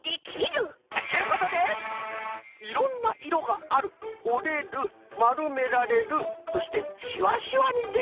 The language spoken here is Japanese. ちゅうことで「いろんないろがある」「おれる」「まるめられる」そして「しわしわにできる」。